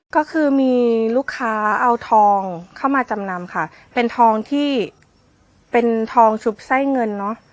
ก็คือมีลูกค้าเอาทองเข้ามาจำนำค่ะเป็นทองที่เป็นทองชุบไส้เงินเนอะ